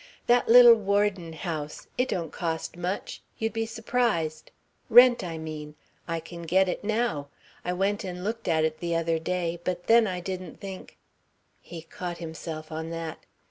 "That little Warden house it don't cost much you'd be surprised. Rent, I mean. I can get it now. I went and looked at it the other day, but then I didn't think " he caught himself on that.